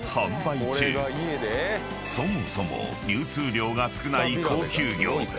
［そもそも流通量が少ない高級魚］